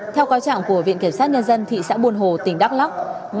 theo cáo trạng của viện kiểm sát nhân dân thị xã buồn hồ tỉnh đắk lắk